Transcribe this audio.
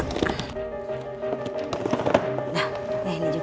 nah ini juga